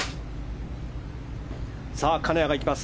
さあ、金谷がいきます。